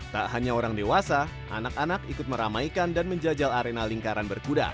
tak hanya orang dewasa anak anak ikut meramaikan dan menjajal arena lingkaran berkuda